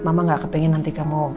mama nggak kepengen nanti kamu